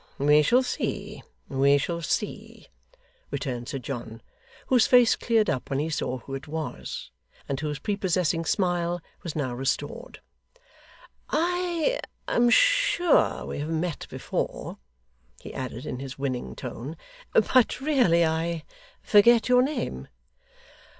we shall see; we shall see,' returned Sir John, whose face cleared up when he saw who it was, and whose prepossessing smile was now restored. 'I am sure we have met before,' he added in his winning tone, 'but really I forget your name?